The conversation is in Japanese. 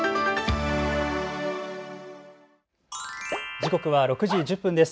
時刻は６時１０分です。